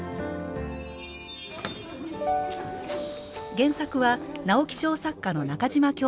原作は直木賞作家の中島京子さん。